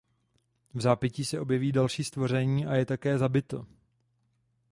Vzápětí se objeví další stvoření a je také zabito.